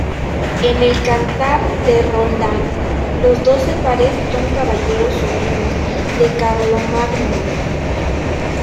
En el Cantar de Roldán los doce pares son caballeros sobrinos de Carlomagno.